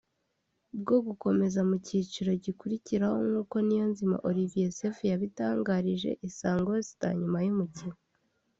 bwo gukomeza mu cyiciro gikurikiraho nkuko Niyonzima Olivier Seif yabitangarije Isango Star nyuma y’umukino